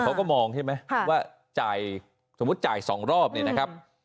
เขาก็มองใช่ไหมว่าจ่ายสมมุติจ่าย๒รอบเนี่ยนะครับ